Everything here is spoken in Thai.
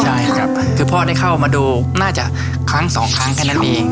ใช่ครับคือพ่อได้เข้ามาดูน่าจะครั้งสองครั้งแค่นั้นเอง